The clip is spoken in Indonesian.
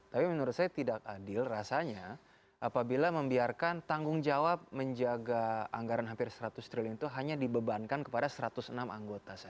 tapi menurut saya tidak adil rasanya apabila membiarkan tanggung jawab menjaga anggaran hampir seratus triliun itu hanya dibebankan kepada satu ratus enam anggota saja